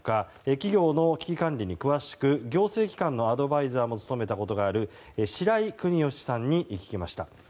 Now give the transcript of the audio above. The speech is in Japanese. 企業の危機管理に詳しく行政機関のアドバイザーも務めたことがある白井邦芳さんに聞きました。